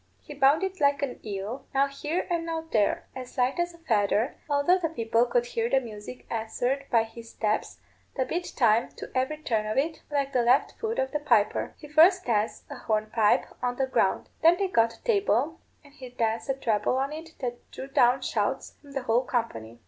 He bounded like an eel, now here and now there, as light as a feather, although the people could hear the music answered by his steps, that beat time to every turn of it, like the left foot of the piper. He first danced a hornpipe on the ground. Then they got a table, and he danced a treble on it that drew down shouts from the whole company.